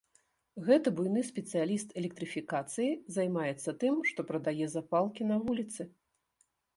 Гэты буйны спецыяліст электрыфікацыі займаецца тым, што прадае запалкі на вуліцы.